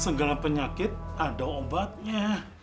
segala penyakit ada obatnya